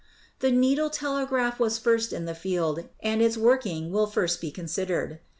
The needle telegraph was first in the field, and its work ing will first be considered.